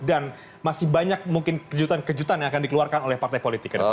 dan masih banyak mungkin kejutan kejutan yang akan dikeluarkan oleh partai politik